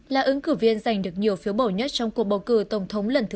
là ứng cử viên giành được nhiều phiếu bổ nhất trong cuộc bầu cử tổng thống lần thứ tám